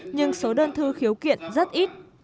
nhưng số đơn thư khiếu kiện rất ít